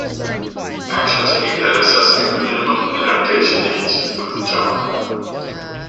Actions aimed at assessing the minimum adaptation needs of the job.